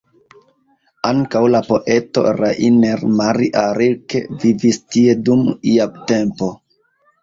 Ankaŭ la poeto Rainer Maria Rilke vivis tie dum ia tempo.